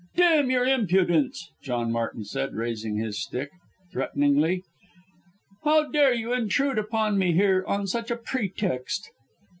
"D n your impudence!" John Martin said, raising his stick threateningly. "How dare you intrude upon me here on such a pretext."